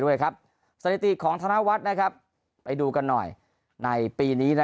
ด้วยครับสถิติของธนวัฒน์นะครับไปดูกันหน่อยในปีนี้นะ